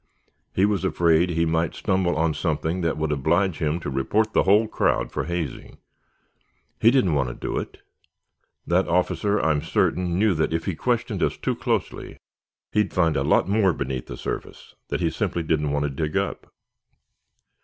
He was afraid he might stumble on something that would oblige him to report the whole crowd for hazing. He didn't want to do it. That officer, I'm certain, knew that, if he questioned us too closely, he'd find a lot more beneath the surface that he simply didn't want to dig up."